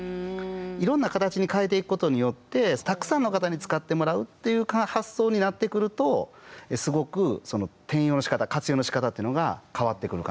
いろんな形に変えていくことによってたくさんの方に使ってもらうっていう発想になってくるとすごく転用のしかた活用のしかたっていうのが変わってくるのかなと。